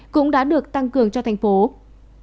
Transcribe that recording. cũng đã được tăng cường cho tp hcm